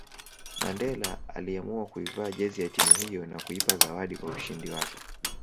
Mandela aliiamua kuivaa jezi ya timu hiyo na kuipa zawadi kwa ushindi wake